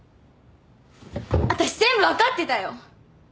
私全部分かってたよ。